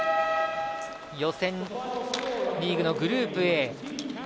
予選リーグのグループＡ。